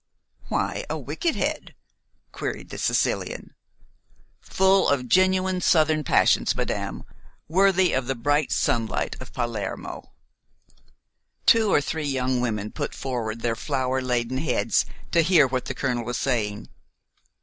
"Why a wicked head?" queried the Sicilian. "Full of genuine Southern passions, madame, worthy of the bright sunlight of Palermo." Two or three young women put forward their flower laden heads to hear what the colonel was saying.